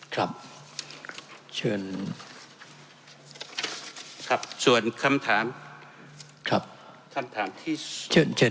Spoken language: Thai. ครับชื่นครับส่วนคำถามครับคำถามที่ชื่นชื่น